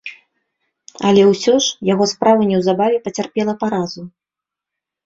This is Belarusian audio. Але і ўсё ж, яго справа неўзабаве пацярпела паразу.